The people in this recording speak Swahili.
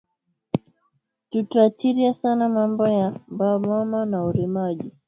Tufwatirye sana mambo ya ba mama na urimaji